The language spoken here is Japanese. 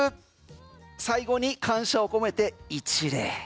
最後に感謝を込めて一礼。